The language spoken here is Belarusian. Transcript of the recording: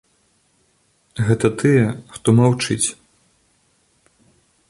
Гэта тыя, хто маўчыць.